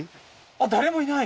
誰も居ない？